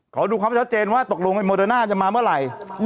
ขอดูความชัดเจนว่าตกลงว่ามันจะมาเมื่อไหร่